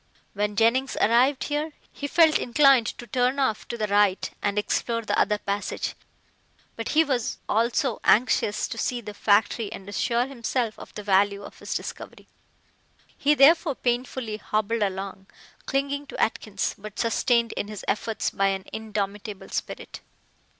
When Jennings arrived here he felt inclined to turn off to the right and explore the other passage, but he was also anxious to see the factory and assure himself of the value of his discovery. He therefore painfully hobbled along, clinging to Atkins, but sustained in his efforts by an indomitable spirit.